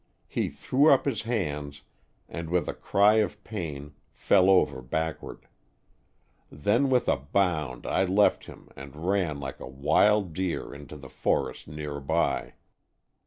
He threw up his hands 34 Stories from the Adirondack^. and with a cry of pain fell over back ward. Then with a bound I left him and ran like a wild deer into the forest near by.